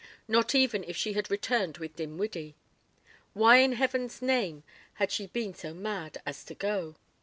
Not even if she had returned with Dinwiddie. Why in heaven's name had she been so mad as to go?